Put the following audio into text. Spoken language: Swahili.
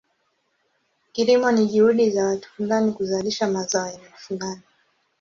Kilimo ni juhudi za watu fulani kuzalisha mazao eneo fulani.